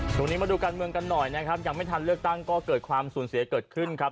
ตรงนี้มาดูการเมืองกันหน่อยนะครับยังไม่ทันเลือกตั้งก็เกิดความสูญเสียเกิดขึ้นครับ